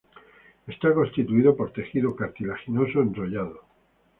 Está constituido por tejido cartilaginoso enrollado.